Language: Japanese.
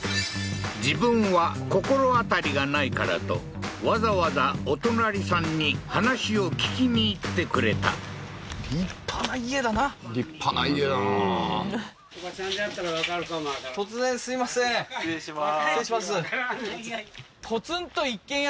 自分は心当たりがないからとわざわざお隣さんに話を聞きに行ってくれた立派な家だなうん失礼しまーす